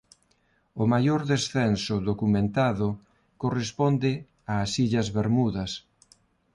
O maior descenso documentado corresponde ás illas Bermudas.